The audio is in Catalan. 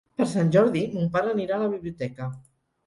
Per Sant Jordi mon pare anirà a la biblioteca.